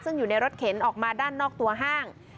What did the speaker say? ซึ่งอยู่ในรถเข็นออกมาด้านนอกตัวห้าง